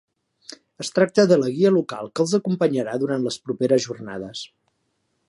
Es tracta de la guia local que els acompanyarà durant les properes jornades.